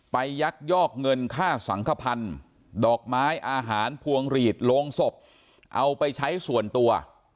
ยักยอกเงินค่าสังขพันธ์ดอกไม้อาหารพวงหลีดโรงศพเอาไปใช้ส่วนตัว